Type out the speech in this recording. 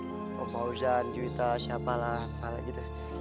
jangan gak fawzan juwita siapalah apalah gitu